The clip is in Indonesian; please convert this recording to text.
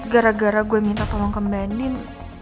gara gara gue minta tolong ke mbak andin